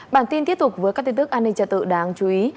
bản tin tiếp tục với các tin tức an ninh trật tự đáng chú ý